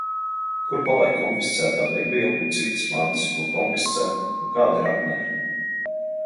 Kur paliek konfiscētā degviela un citas mantas, ko konfiscē, un kādi ir apmēri?